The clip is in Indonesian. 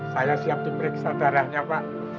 saya siap diperiksa darahnya pak